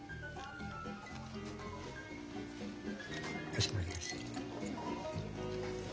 かしこまりました。